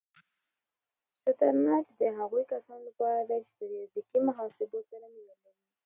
شطرنج د هغو کسانو لپاره دی چې له ریاضیکي محاسبو سره مینه لري.